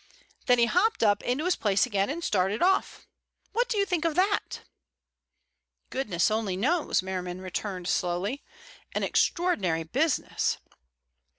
Then he hopped up into his place again and started off. What do you think of that?" "Goodness only knows," Merriman returned slowly. "An extraordinary business."